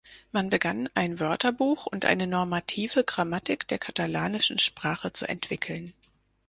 Man begann, ein Wörterbuch und eine normative Grammatik der katalanischen Sprache zu entwickeln.